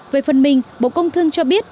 về phần mình bộ công thương cho biết